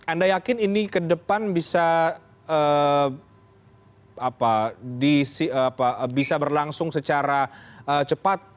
anda yakin ini ke depan bisa berlangsung secara cepat